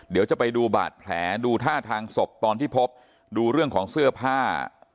เดี๋ยวจะไปดูบาดแผลดูท่าทางศพตอนที่พบดูเรื่องของเสื้อผ้า